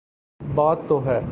بات تو ہے۔